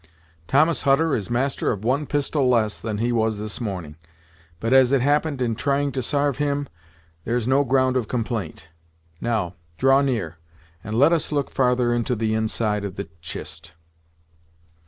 Thomas Hutter is master of one pistol less than he was this morning, but, as it happened in trying to sarve him, there's no ground of complaint. Now, draw near, and let us look farther into the inside of the chist."